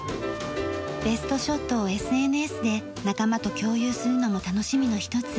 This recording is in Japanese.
ベストショットをＳＮＳで仲間と共有するのも楽しみの一つ。